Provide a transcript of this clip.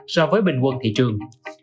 so với bình quân thị trường